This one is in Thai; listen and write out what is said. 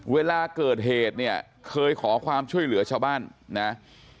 เวลาเกิดเหตุเนี่ยเคยขอความช่วยเหลือชาวบ้านนะ